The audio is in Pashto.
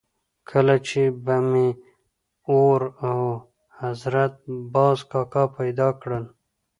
کله چې به مې اور او حضرت باز کاکا پیدا کړل.